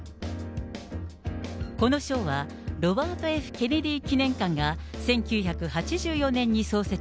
この賞は、ロバート・Ｆ・ケネディ記念館が、１９８４年に創設。